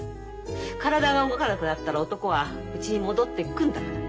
体が動かなくなったら男はうちに戻ってくるんだから。